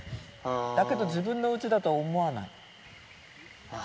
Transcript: だけど、自分のうちだと思わない。